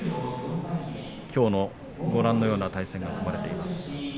きょうは、ご覧のような対戦が組まれています。